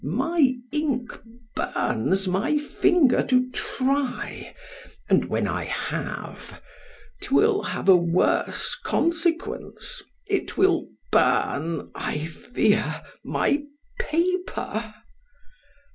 ——My ink burns my finger to try——and when I have——'twill have a worse consequence——It will burn (I fear) my paper.